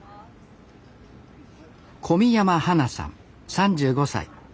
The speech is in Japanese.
小宮山花さん３５歳。